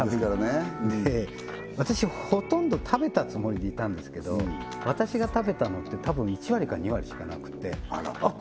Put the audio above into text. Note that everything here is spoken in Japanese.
壁いっぱい私ほとんど食べたつもりでいたんですけど私が食べたのって多分１割か２割しかなくてあっ